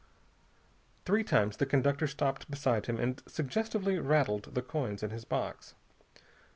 Three times the conductor stopped beside him and suggestively rattled the coins in his box.